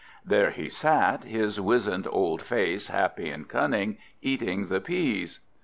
There he sat, his wizened old face happy and cunning, eating the peas.